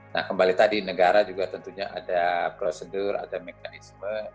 nah kembali tadi negara juga tentunya ada prosedur ada mekanisme